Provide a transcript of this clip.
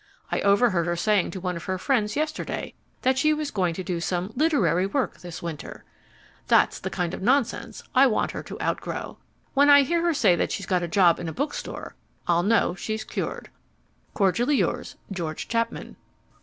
I overheard her saying to one of her friends yesterday that she was going to do some "literary work" this winter. That's the kind of nonsense I want her to outgrow. When I hear her say that she's got a job in a bookstore, I'll know she's cured. Cordially yours, GEORGE CHAPMAN.